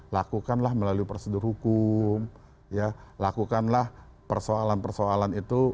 lakukanlah melalui prosedur hukum ya lakukanlah persoalan persoalan itu